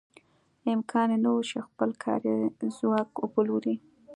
امکان یې نه و چې خپل کاري ځواک وپلوري.